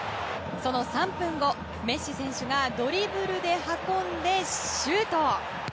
その３分後、メッシ選手がドリブルで運んでシュート！